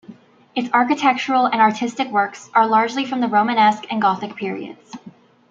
Its architectural and artistic works are largely from the Romanesque and Gothic periods.